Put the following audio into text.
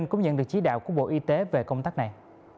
cũng nhận được chỉ đạo của bộ y tế về công tác này